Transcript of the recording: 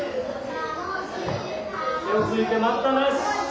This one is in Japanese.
手をついて待ったなし。